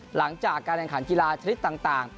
หลังจากการแข่งขันกีฬาชนิดต่าง